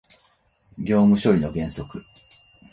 業務処理の原則